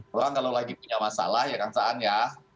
orang kalau lagi punya masalah ya kang saan ya